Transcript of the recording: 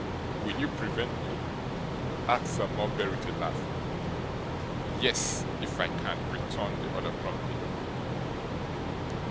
'Will you prevent me?' asked Sir Mulberry, with a laugh. 'Ye es, if I can,' returned the other, promptly.